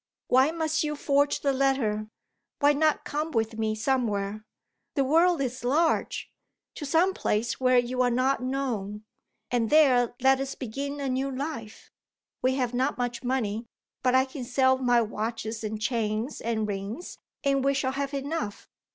"Why must you forge the letter? Why not come with me somewhere the world is large! to some place where you are not known, and there let us begin a new life? We have not much money, but I can sell my watches and chains and rings, and we shall have enough.